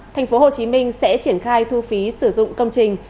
tp hcm sẽ triển khai thu phí sử dụng công trình